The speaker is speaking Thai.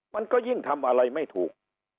มันก็ยิ่งทำอะไรไม่ถูก